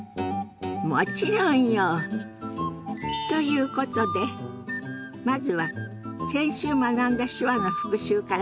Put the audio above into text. もちろんよ！ということでまずは先週学んだ手話の復習から始めましょ。